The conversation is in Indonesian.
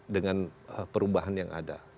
dengan perubahan yang ada